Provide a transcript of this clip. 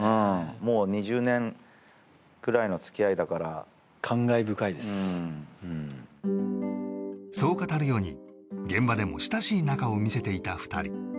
もう２０年くらいのつきあいだから感慨深いですうんそう語るように現場でも親しい仲を見せていた２人